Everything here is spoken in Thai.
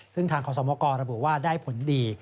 ซึ่งทางขอสมกรระบุว่าได้ผลดี